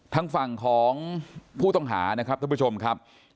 ทางฝั่งของผู้ต้องหานะครับท่านผู้ชมครับ